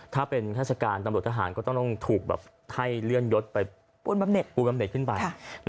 ถ้าเป็นราชการตำรวจทหารก็ต้องถูกให้เลื่อนยศไปปูนบำเน็ตขึ้นไป